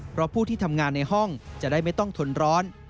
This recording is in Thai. เพราะผู้ที่ทำงานในห้องจะได้ไม่ต้องทนร้อน